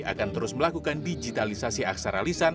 akan terus melakukan digitalisasi aksara lisan